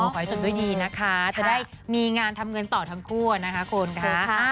ขอให้จบด้วยดีนะคะจะได้มีงานทำเงินต่อทั้งคู่นะคะคุณค่ะ